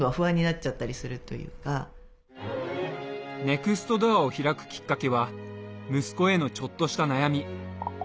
ネクストドアを開くきっかけは息子へのちょっとした悩み。